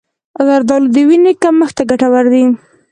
زردآلو د وینې کمښت ته ګټور دي.